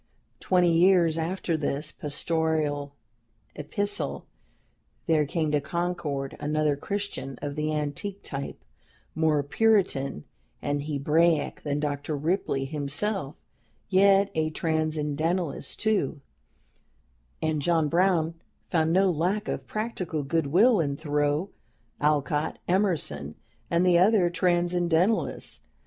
Twenty years after this pastoral epistle, there came to Concord another Christian of the antique type, more Puritan and Hebraic than Dr. Ripley himself, yet a Transcendentalist, too, and JOHN BROWN found no lack of practical good will in Thoreau, Alcott, Emerson, and the other Transcendentalists.